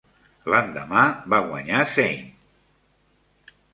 L'endemà va guanyar Sain.